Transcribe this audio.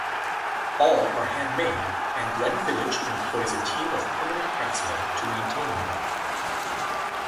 All are handmade and Glenfiddich employs a team of permanent craftsmen to maintain them.